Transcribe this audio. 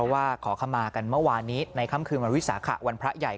ว่าขอขมากันเมื่อวานนี้ในค่ำคืนวันวิสาขะวันพระใหญ่